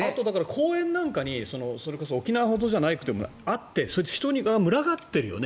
公園なんかに沖縄ほどじゃなくてもあってそれで人が群がってるよね